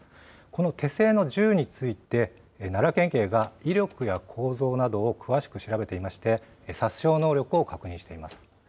この手製の銃について、奈良県警が威力や構造などを詳しく調べていまして、殺傷能力を確認しています。